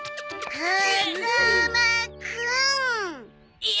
はい。